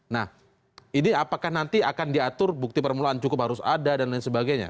nah ini apakah nanti akan diatur bukti permulaan cukup harus ada dan lain sebagainya